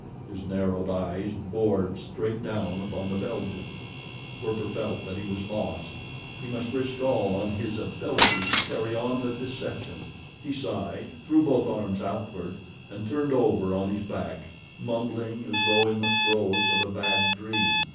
His narrowed eyes bored straight down upon the Belgian. Werper felt that he was lost—he must risk all on his ability to carry on the deception. He sighed, threw both arms outward, and turned over on his back mumbling as though in the throes of a bad dream.